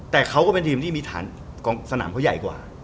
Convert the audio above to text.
แต่เขาก็เป็นทีมที่มีฐานกองสนามเขาใหญ่กว่า